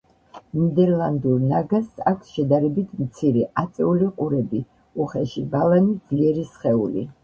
ნიდერლანდურ ნაგაზს აქვს შედარებით მცირე, აწეული ყურები, უხეში ბალანი, ძლიერი სხეული.